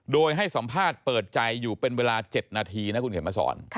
โดยให้สัมภาษณ์เปิดใจอยู่เป็นเวลา๗นาทีนะคุณเขียนมาสอน